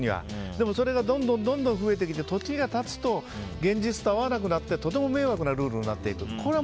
でもそれがどんどん増えてきて時が経つと現実と合わなくなってとても迷惑なルールになっていく。